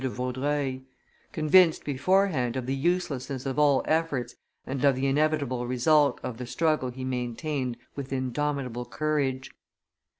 de Vaudreuil; convinced beforehand of the uselessness of all efforts and of the inevitable result of the struggle he maintained with indomitable courage.